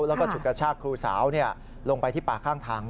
แล้วก็ฉุดกระชากครูสาวลงไปที่ป่าข้างทาง